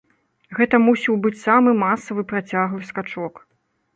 Гэта мусіў быць самы масавы працяглы скачок.